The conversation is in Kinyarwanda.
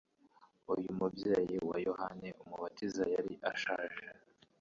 Uyu mubyeyi wa Yohana Umubatiza yari ashaje